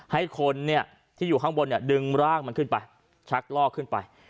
ให้คนเนี่ยที่อยู่ข้างบนเนี่ยดึงร่างมันขึ้นไปชักลอกขึ้นไป